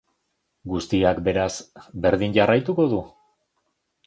Guztiak, beraz, berdin jarraituko du?